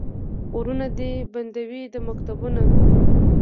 ورونه دي بند وي د مکتبونو